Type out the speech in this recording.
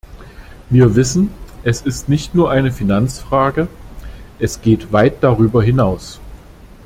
Wir wissen, es ist nicht nur eine Finanzfrage, es geht weit darüber hinaus.